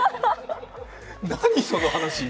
何その話？